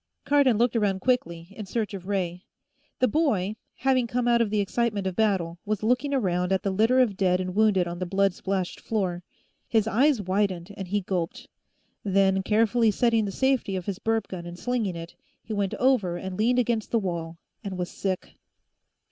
Cardon looked around quickly, in search of Ray. The boy, having come out of the excitement of battle, was looking around at the litter of dead and wounded on the blood splashed floor. His eyes widened, and he gulped. Then, carefully setting the safety of his burp gun and slinging it, he went over and leaned against the wall, and was sick.